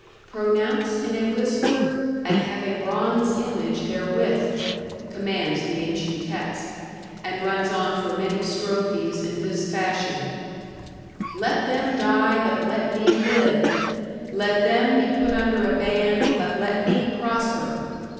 "Pronounce in a whisper, and have a bronze image therewith," commands the ancient text, and runs on for many strophes in this fashion: Let them die, but let me live! Let them be put under a ban, but let me prosper!